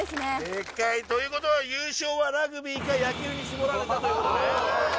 デカいということは優勝はラグビーか野球に絞られたということで。